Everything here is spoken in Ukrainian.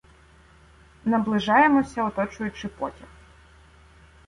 Наближаємося, оточуючи потяг.